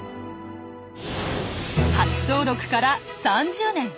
初登録から３０年。